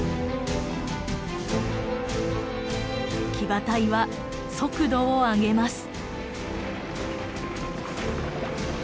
騎馬隊は速度を上げます。